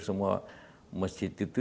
semua masjid itu